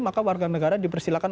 maka warga negara dipersilakan